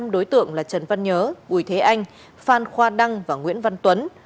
năm đối tượng là trần văn nhớ bùi thế anh phan khoa đăng và nguyễn văn tuấn